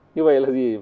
như vậy là gì